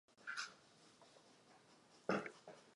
Narodil se v židovské obchodnické rodině.